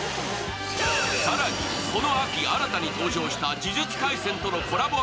更に、この秋新たに登場した「呪術廻戦」とのコラボ